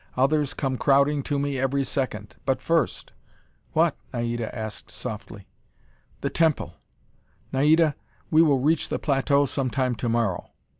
Others come crowding to me every second. But first " "What?" Naida asked softly. "The temple. Naida, we will reach the plateau sometime to morrow.